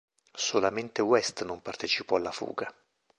Solamente West non partecipò alla fuga.